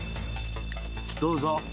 どうぞ。